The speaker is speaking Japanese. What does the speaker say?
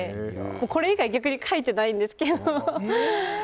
これ以外逆に描いてないんですけど。